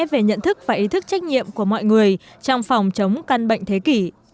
về nhận thức và ý thức trách nhiệm của mọi người trong phòng chống căn bệnh thế kỷ